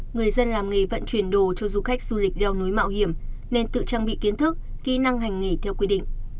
người dân làm nghề vận chuyển đồ cho du khách du lịch leo núi mạo hiểm nên tự trang bị kiến thức kỹ năng hành nghề theo quy định